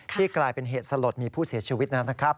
กลายเป็นเหตุสลดมีผู้เสียชีวิตนะครับ